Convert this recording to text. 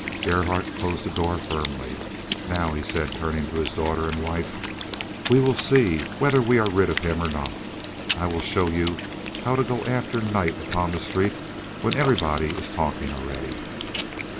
Gerhardt closed the door firmly. "Now," he said, turning to his daughter and wife, "we will see whether we are rid of him or not. I will show you how to go after night upon the streets when everybody is talking already."